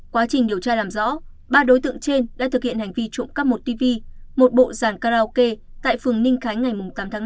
quá trình điều tra làm rõ ba đối tượng trên đã thực hiện hành vi trộm cắp một tv một bộ dàn karaoke tại phường ninh khánh ngày tám tháng năm